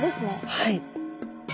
はい。